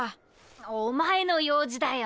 おまえの用事だよ。